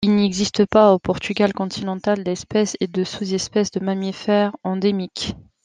Il n'existe pas au Portugal continental d'espèces et de sous-espèces de mammifères endémiques.